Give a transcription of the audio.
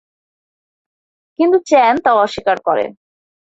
কিন্তু চ্যান তা অস্বীকার করে।